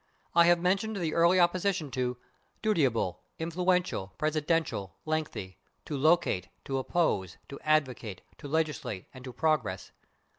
I have mentioned the early opposition to /dutiable/, /influential/, /presidential/, /lengthy/, /to locate/, /to oppose/, /to advocate/, /to legislate/ and /to progress